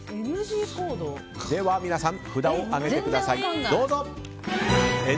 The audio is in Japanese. では皆さん札を上げてください。